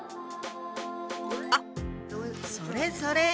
あっそれそれ！